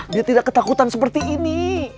dia tidak ketakutan seperti ini